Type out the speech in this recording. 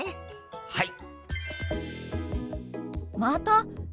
はい！